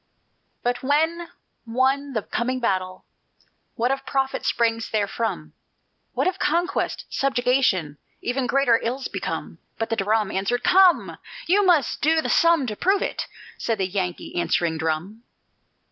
"But when won the coming battle, What of profit springs therefrom? What if conquest, subjugation, Even greater ills become?" But the drum Answered: "Come! You must do the sum to prove it," said the Yankee answering drum.